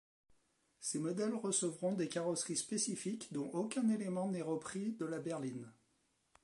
Ces modèles recevront des carrosseries spécifiques dont aucun élément n'est repris de la berline.